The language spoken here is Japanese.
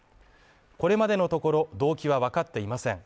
これまでのところ、動機はわかっていません。